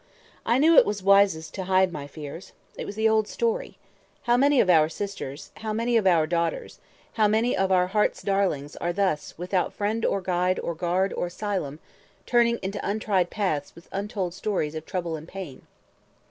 I knew it was wisest to hide my fears. It was the old story. How many of our sisters, how many of our daughters, how many of our hearts' darlings, are thus, without friend or guide or guard or asylum, turning into untried paths with untold stories of trouble and pain!